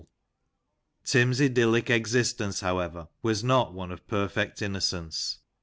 Tim's idyllic existence, however, was not one of perfect innocence.